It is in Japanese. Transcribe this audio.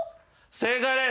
正解です。